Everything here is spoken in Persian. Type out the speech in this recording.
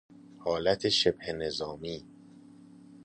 حالت شبه نظامی